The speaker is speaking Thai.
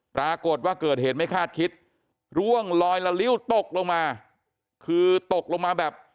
ปรากฏว่าเกิดเหตุไม่คาดคิดร่วงลอยละลิ้วตกลงมาคือตกลงมาแบบ